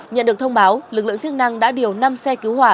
nhận được thông báo lực lượng chức năng đã điều năm xe cứu hỏa